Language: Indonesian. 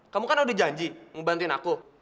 kamu kan udah janji ngebantuin aku